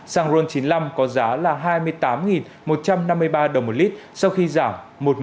xăng ron chín mươi năm có giá là hai mươi tám một trăm linh đồng